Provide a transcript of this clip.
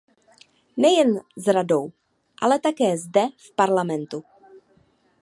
Nejen s Radou, ale také zde, v Parlamentu.